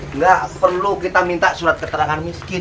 enggak perlu kita minta surat keterangan miskin